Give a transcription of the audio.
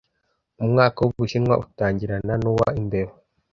Umwaka wUbushinwa utangirana nuwa Imbeba